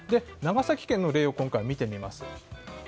長崎県の例を今回、見てみます。